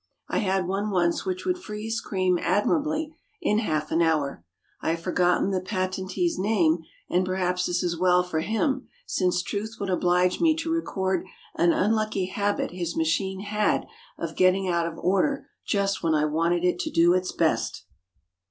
I had one once which would freeze cream admirably in half an hour. I have forgotten the patentee's name, and perhaps this is well for him, since truth would oblige me to record an unlucky habit his machine had of getting out of order just when I wanted it to do its best.